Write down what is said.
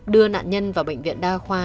đưa nạn nhân vào bệnh viện đa khoa